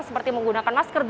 seperti menggunakan masker